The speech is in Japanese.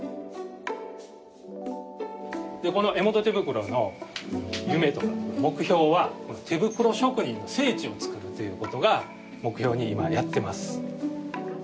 でこの江本手袋の夢とか目標は「手袋職人の聖地を創る」ということが目標に今やっています。